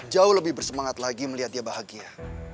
jauh lebih bersemangat lagi melihat dia bahagia